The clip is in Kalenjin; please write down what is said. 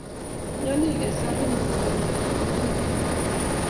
nyalilen sang'ut meloniek aku birir orit.